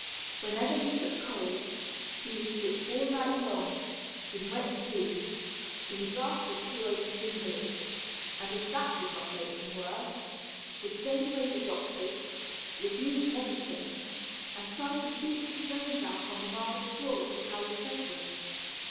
Whenever he took cold, he would sit all night long, in wet shoes, in the draft of two open windows; and if that did not make him worse, would send away the doctors, refuse medicine, and try to beat his brains out on the marble floor of the palace bedroom.